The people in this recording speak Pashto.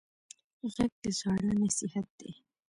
غږ د زاړه نصیحت دی